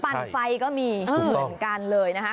ปั่นไฟก็มีเหมือนกันเลยนะคะ